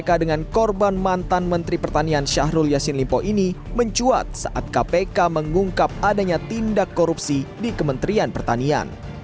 kpk dengan korban mantan menteri pertanian syahrul yassin limpo ini mencuat saat kpk mengungkap adanya tindak korupsi di kementerian pertanian